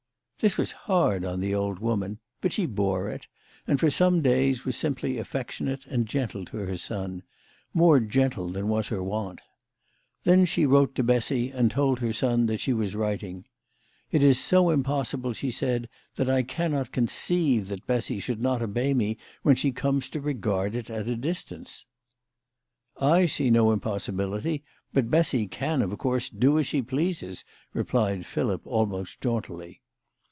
This was hard on the old woman; but she bore it, and, for some days, was simply affectionate and gentle to her son more gentle than was her wont. Then she wrote to Bessy, and told her son that she was writing. " It is so impossible," she said, " that I can not conceive that Bessy should not obey me when she comes to regard it at a distance." " I see no impossibility ; but Bessy can, of course, do as she pleases," replied Philip, almost jauntily.